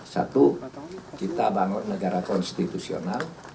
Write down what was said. satu kita bangun negara konstitusional